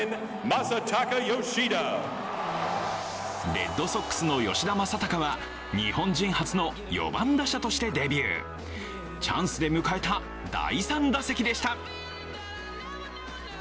レッドソックスの吉田正尚は日本人初の４番打者としてデビューチャンスで迎えた第３打席でした。